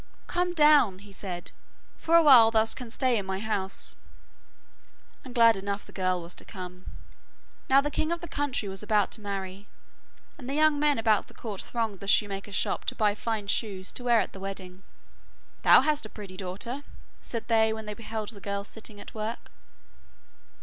'Come down,' he said, 'for a while thou canst stay in my house,' and glad enough the girl was to come. Now the king of the country was about to marry, and the young men about the court thronged the shoemaker's shop to buy fine shoes to wear at the wedding. 'Thou hast a pretty daughter,' said they when they beheld the girl sitting at work.